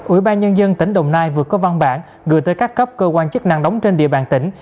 ủy ban nhân dân tỉnh đồng nai vừa có văn bản gửi tới các cấp cơ quan chức năng đóng trên địa bàn tỉnh